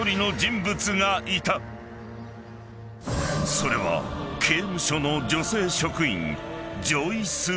［それは刑務所の女性職員］